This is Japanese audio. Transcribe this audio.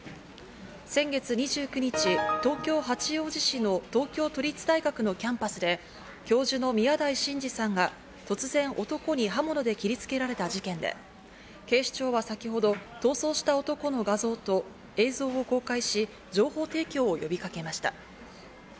先月２９日、東京・八王子市の東京都立大学のキャンパスで教授の宮台真司さんが突然、男に刃物で切りつけられた事件で、警視庁は先ほど、逃走した男の画像と映像を公開し、情報提供を呼びかけました。